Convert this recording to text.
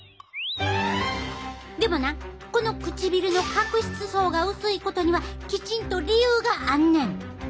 でもなこの唇の角質層が薄いことにはきちんと理由があんねん！